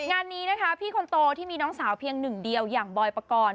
งานนี้นะคะพี่คนโตที่มีน้องสาวเพียงหนึ่งเดียวอย่างบอยปกรณ์